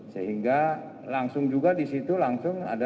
sehingga langsung juga di situ ada tes swab